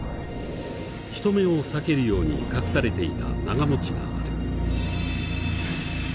人目を避けるように隠されていた長持ちがある。